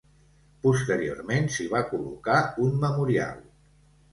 Posteriorment s'hi va col·locar un memorial.